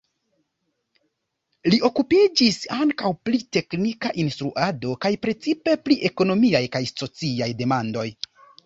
Li okupiĝis ankaŭ pri teknika instruado kaj precipe pri ekonomiaj kaj sociaj demandoj.